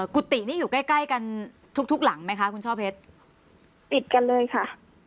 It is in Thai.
กุฏินี่อยู่ใกล้ใกล้กันทุกทุกหลังไหมคะคุณช่อเพชรติดกันเลยค่ะ